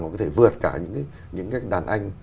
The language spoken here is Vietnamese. cũng có thể vượt cả những cái đàn anh